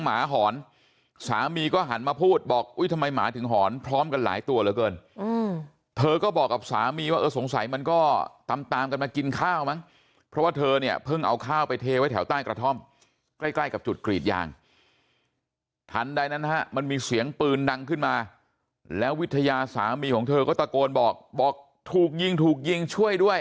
หมาหอนสามีก็หันมาพูดบอกอุ้ยทำไมหมาถึงหอนพร้อมกันหลายตัวเหลือเกินเธอก็บอกกับสามีว่าเออสงสัยมันก็ตามตามกันมากินข้าวมั้งเพราะว่าเธอเนี่ยเพิ่งเอาข้าวไปเทไว้แถวใต้กระท่อมใกล้ใกล้กับจุดกรีดยางทันใดนั้นนะฮะมันมีเสียงปืนดังขึ้นมาแล้ววิทยาสามีของเธอก็ตะโกนบอกบอกถูกยิงถูกยิงช่วยด้วย